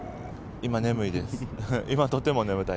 今、眠いです。